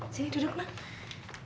sini duduk mak